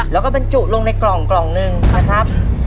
แล้วก็บรรจุลงในกล่องนึงนะครับ